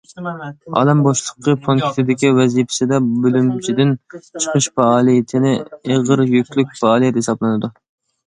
ئالەم بوشلۇقى پونكىتىدىكى ۋەزىپىسىدە، بۆلۈمچىدىن چىقىش پائالىيىتى ئېغىر يۈكلۈك پائالىيەت ھېسابلىنىدۇ.